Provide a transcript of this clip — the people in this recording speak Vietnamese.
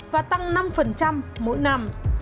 và tăng năm mỗi năm